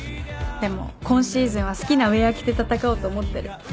でも今シーズンは好きなウエア着て戦おうと思ってる。